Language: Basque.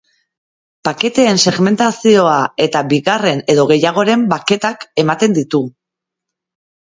Paketeen segmentazioa eta bigarren edo gehiagoren baketak ematen ditu.